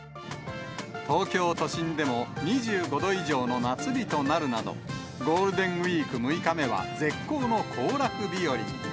東京都心でも２５度以上の夏日となるなど、ゴールデンウィーク６日目は絶好の行楽日和に。